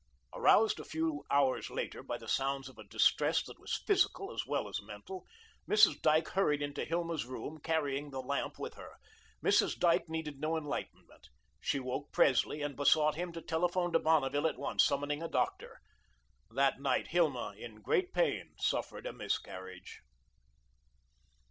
Aroused a few hours later by the sounds of a distress that was physical, as well as mental, Mrs. Dyke hurried into Hilma's room, carrying the lamp with her. Mrs. Dyke needed no enlightenment. She woke Presley and besought him to telephone to Bonneville at once, summoning a doctor. That night Hilma in great pain suffered a miscarriage.